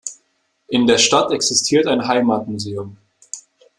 In der Stadt existiert ein Heimatmuseum.